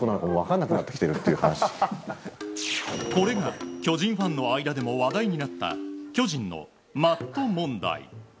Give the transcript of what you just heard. これが巨人ファンの間でも話題になった巨人のマット問題。